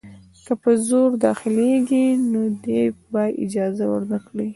که په زور داخلیږي نو دی به اجازه ورنه کړي.